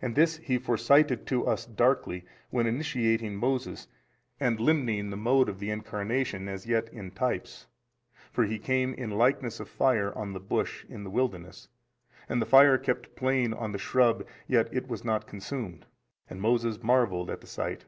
And this He foresignified to us darkly, when initiating Moses and limning the mode of the Incarnation as yet in types, for He came in likeness of fire on the bush in the wilderness, and the fire kept playing on the shrub yet was it not consumed. And Moses marvelled at the sight.